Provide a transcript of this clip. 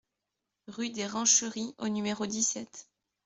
Rue des Rancheries au numéro dix-sept